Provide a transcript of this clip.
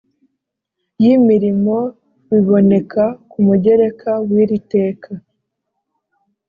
y imirimo biboneka ku mugereka w iri teka